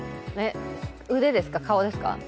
腕ですか、顔ですか。